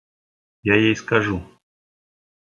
– Я ей скажу.